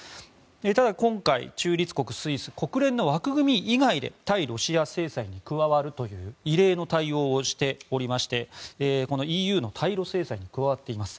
ただ今回、中立国スイスは国連の枠組み以外で対ロシア制裁に加わるという異例の対応をしておりましてＥＵの対露制裁に加わっています。